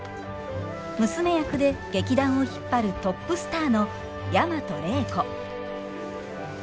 娘役で劇団を引っ張るトップスターの大和礼子。